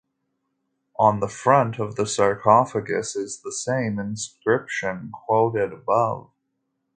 On the front of the sarcophagus is the same inscription quoted above.